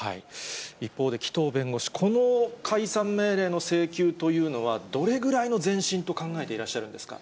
一方で紀藤弁護士、この解散命令の請求というのは、どれぐらいの前進と考えていらっしゃるんですか。